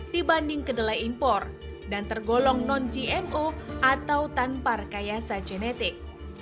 dibanding kedelai impor dan tergolong non gmo atau tanpa rekayasa genetik